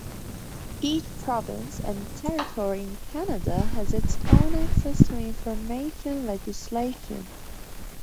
Each province and territory in Canada has its own access to information legislation.